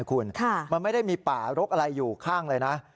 คุณมันไม่ได้มีป่ารกอะไรอยู่ข้างเลยนะ